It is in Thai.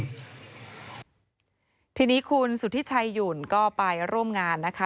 ทีนี้คุณสุธิชัยหยุ่นก็ไปร่วมงานนะคะ